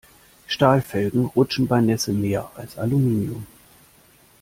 Stahlfelgen rutschen bei Nässe mehr als Aluminium.